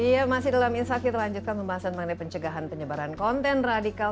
iya masih dalam insight kita lanjutkan pembahasan mengenai pencegahan penyebaran konten radikal